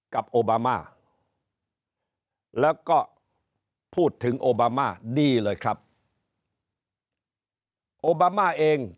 โอบามาแล้วก็พูดถึงโอบามาดีเลยครับโอบามาเอง